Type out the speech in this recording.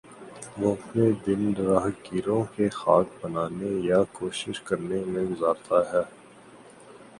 وہ اپنے دن راہگیروں کے خاکے بنانے یا کوشش کرنے میں گزارتا ہے